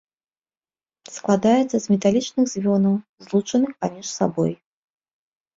Складаецца з металічных звёнаў, злучаных паміж сабой.